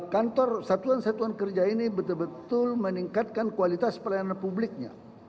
kantor satuan satuan kerja ini betul betul meningkatkan kualitas pelayanan publiknya